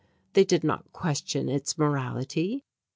They did not question its morality.